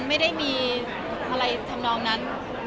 ไม่ได้มีอะไรทำนองนั้น